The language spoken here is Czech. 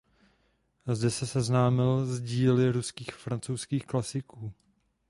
Zde se seznámil s díly ruských a francouzských klasiků.